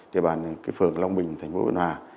để bàn cái phường long bình thành phố uyên hòa